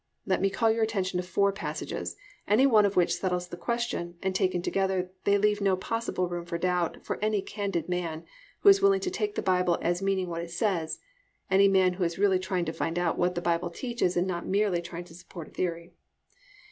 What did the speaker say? Let me call your attention to four passages, any one of which settles the question, and taken together they leave no possible room for doubt for any candid man who is willing to take the Bible as meaning what it says, any man who is really trying to find out what the Bible teaches and not merely trying to support a theory.